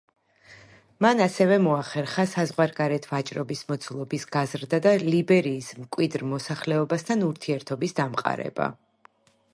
მან ასევე მოახერხა საზღვარგარეთ ვაჭრობის მოცულობის გაზრდა და ლიბერიის მკვიდრ მოსახლეობასთან ურთიერთობის დამყარება.